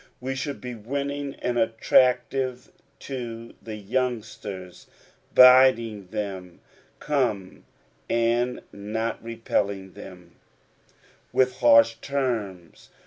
We should be winning and attractive to the youngsters, bidding them ''come," and not repelling than with harsh terms.